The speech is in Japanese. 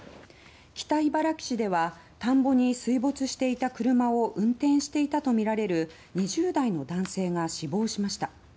北茨城市では田んぼに水没していた車を運転していたとみられる２０代の男性が死亡しました。